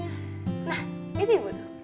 nah itu ibu tuh